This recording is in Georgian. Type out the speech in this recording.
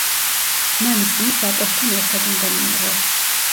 მან ისინი საკვებთან ერთად უნდა მიიღოს.